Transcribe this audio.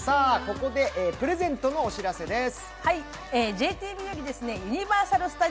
ここでプレゼントのお知らせです。